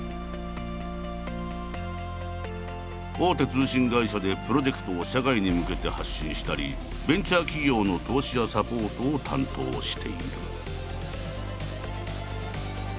大手通信会社でプロジェクトを社外に向けて発信したりベンチャー企業の投資やサポートを担当している。